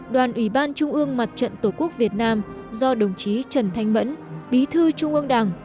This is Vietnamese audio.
đoàn ủy ban trung ương mặt trận tổ quốc việt nam do đồng chí trần thanh mẫn bí thư trung ương đảng